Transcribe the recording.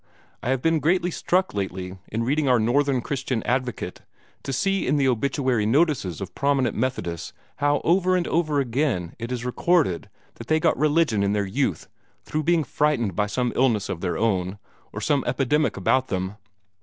I have been greatly struck lately, in reading our 'Northern Christian Advocate' to see in the obituary notices of prominent Methodists how over and over again it is recorded that they got religion in their youth through being frightened by some illness of their own, or some epidemic about them.